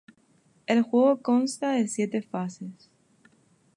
El juego consta de siete fases.